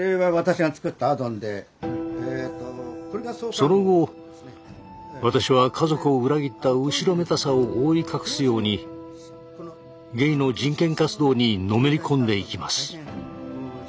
その後私は家族を裏切った後ろめたさを覆い隠すようにゲイの人権活動にのめり込んでいきます。